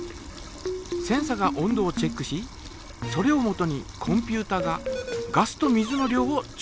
センサが温度をチェックしそれをもとにコンピュータがガスと水の量を調節する。